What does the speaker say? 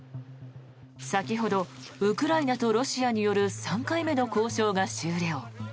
先ほどウクライナとロシアによる３回目の交渉が終了。